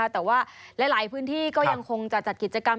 แต่ว่าหลายพื้นที่ก็ยังคงจะจัดกิจกรรม